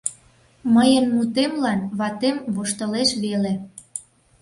Мыйын мутемлан ватем воштылеш веле.